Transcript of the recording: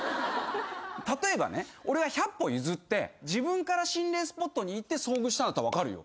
例えばね俺が百歩譲って自分から心霊スポットに行って遭遇したんだったら分かるよ。